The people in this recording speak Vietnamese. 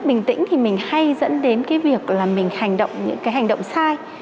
bình tĩnh thì mình hay dẫn đến cái việc là mình hành động những cái hành động sai